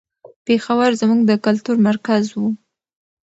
پېښور زموږ د کلتور مرکز و.